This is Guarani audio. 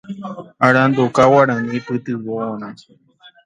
Aranduka Guarani Pytyvõrã.